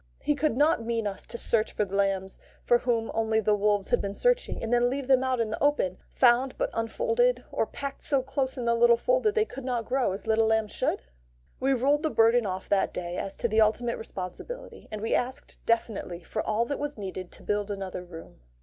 He could not mean us to search for the lambs for whom only the wolves had been searching, and then leave them out in the open, found but unfolded, or packed so close in the little fold that they could not grow as little lambs should? We rolled the burden off that day as to the ultimate responsibility, and we asked definitely for all that was needed to build another room.